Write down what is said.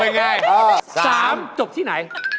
เป็นไงสามจบที่ไหน